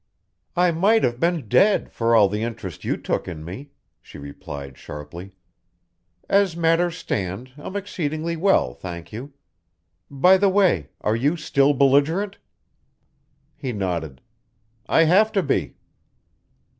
"I might have been dead, for all the interest you took in me," she replied sharply. "As matters stand, I'm exceedingly well thank you. By the way, are you still belligerent?" He nodded. "I have to be."